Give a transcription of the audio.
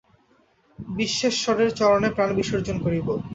বিশ্বেশ্বরের চরণে প্রাণ বিসর্জন করিব।